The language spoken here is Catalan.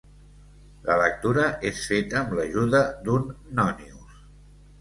La lectura és feta amb l'ajuda d'un nònius.